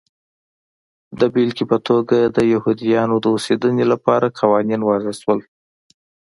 د بېلګې په توګه د یهودیانو د اوسېدنې لپاره قوانین وضع شول.